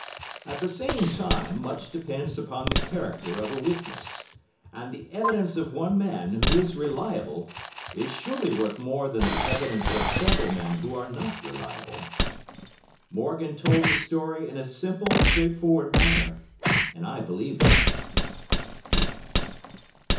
At the same time much depends upon the character of a witness, and the evidence of one man, who is reliable, is surely worth more than the evidence of several men who are not reliable. Morgan told his story in a simple, straightforward manner, and I believed him.